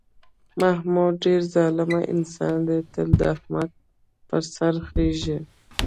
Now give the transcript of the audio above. محمود ډېر ظالم انسان دی، تل د احمد په سر خېژي.